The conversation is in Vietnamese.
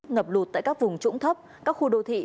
ngập lụt tại các vùng trũng thấp các khu đô thị